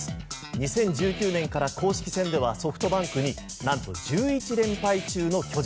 ２０１９年から公式戦ではソフトバンクになんと１１連敗中の巨人。